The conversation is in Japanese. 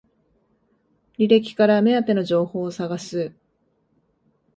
履歴から目当ての情報を探す